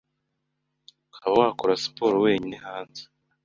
ukaba wakora na siporo ya wenyine hanze